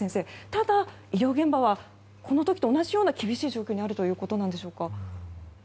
ただ、医療現場はこの時と同じような厳しい状況にあるということなんでしょうか。